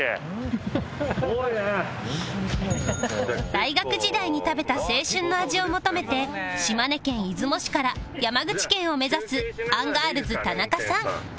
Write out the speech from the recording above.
大学時代に食べた青春の味を求めて島根県出雲市から山口県を目指すアンガールズ田中さん